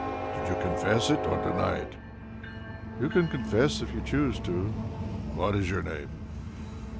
"Did you confess it or deny it?" "You can confess if you choose to." "What is your name?"